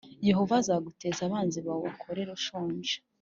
Yehova azaguteza abanzi bawe ubakorere ushonje